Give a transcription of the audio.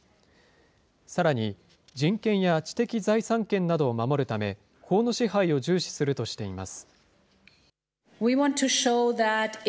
さらに、人権や知的財産権などを守るため、法の支配を重視するとしています。